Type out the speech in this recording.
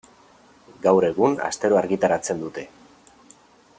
Gaur egun astero argitaratzen dute.